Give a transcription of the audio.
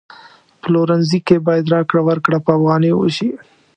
پلورنځي کی باید راکړه ورکړه په افغانیو وشي